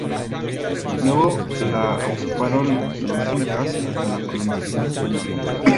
Luego lo ocuparon los incas hasta a colonización española.